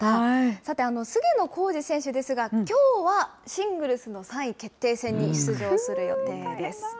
さて、菅野浩二選手ですが、きょうはシングルスの３位決定戦に出場する予定です。